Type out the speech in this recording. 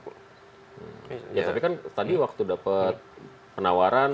ya tapi kan tadi waktu dapat penawaran